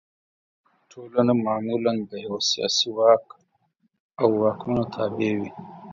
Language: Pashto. ټولنه معمولا د یوه سیاسي واک او واکمنو تابع وي.